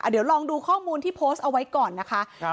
เดี๋ยวลองดูข้อมูลที่โพสต์เอาไว้ก่อนนะคะ